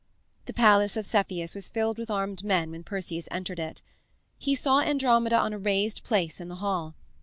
The palace of Cepheus was filled with armed men when Perseus entered it. He saw Andromeda on a raised place in the hall.